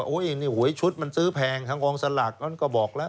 โอ้ยนี่หวยชุดมันซื้อแพงของกองสลากก็บอกแล้ว